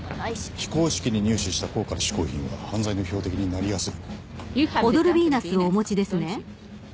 非公式に入手した高価な嗜好品は犯罪の標的になりやすい。